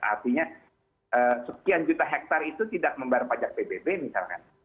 artinya sekian juta hektare itu tidak membayar pajak pbb misalkan